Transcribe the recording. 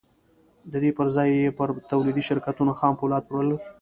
د دې پر ځای يې پر توليدي شرکتونو خام پولاد پلورل.